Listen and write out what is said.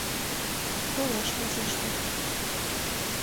— Толаш возеш дыр...